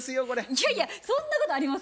いやいやそんなことありませんよ。